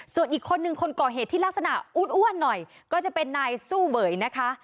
ส่วนอีกคนนึงคนก่อเหตุที่ลักษณะอ้วนหน่อยก็จะเป็นนายสู้เบ๋ยนะคะ